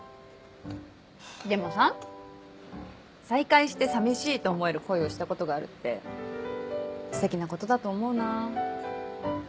でもさ再会して「寂しい」と思える恋をしたことがあるってステキなことだと思うな。